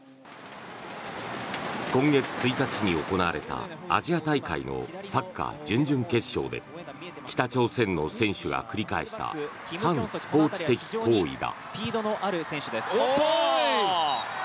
今月１日に行われたアジア大会のサッカー準々決勝で北朝鮮の選手が繰り返した反スポーツ的行為だ。